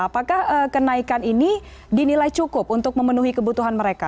apakah kenaikan ini dinilai cukup untuk memenuhi kebutuhan mereka